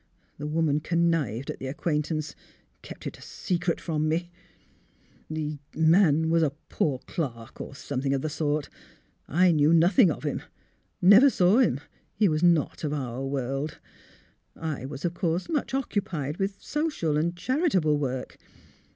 The woman connived at the acquaintance — kept it a secret 286 THE HEAET OF PHILURA from me. The — the man was a poor clerk, or something of the sort. I knew nothing of him — never saw him. He was not of our world. I was, of course, much occupied with social and charitable work.